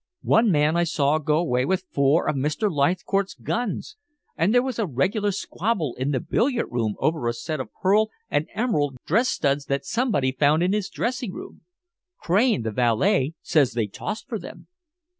One man I saw go away with four of Mr. Leithcourt's guns, and there was a regular squabble in the billiard room over a set of pearl and emerald dress studs that somebody found in his dressing room. Crane, the valet, says they tossed for them."